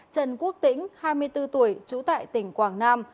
trần quốc tĩnh hai mươi bốn tuổi trú tại tỉnh quảng nam